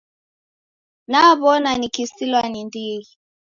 New'ona nikisilwa ni ndighi.